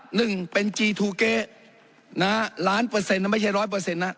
หนึ่งเป็นจีทูเก๊นะฮะล้านเปอร์เซ็นต์ไม่ใช่ร้อยเปอร์เซ็นต์